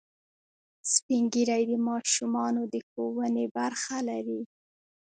سپین ږیری د ماشومانو د ښوونې برخه لري